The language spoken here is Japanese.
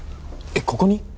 えっここに？